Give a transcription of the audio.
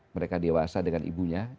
mereka dewasa dengan ibunya